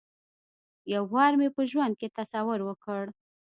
یو وار مې په ژوند کې تصور وکړ.